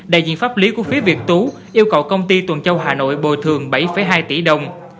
đại diện pháp lý của phía việt tú yêu cầu công ty tuần châu hà nội bồi thường bảy hai tỷ đồng